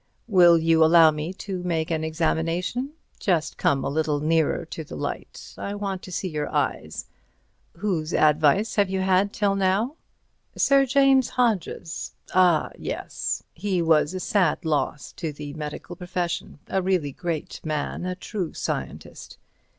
Will you allow me to make an examination? Just come a little nearer to the light. I want to see your eyes. Whose advice have you had till now?" "Sir James Hodges'." "Ah! yes—he was a sad loss to the medical profession. A really great man—a true scientist.